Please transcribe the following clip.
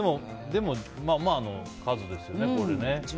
でも、まあまあの数ですよね。